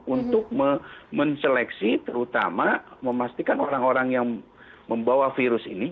untuk menseleksi terutama memastikan orang orang yang membawa virus ini